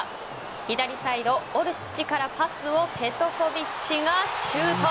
左サイド、オルシッチからパスをペトコヴィッチがシュート。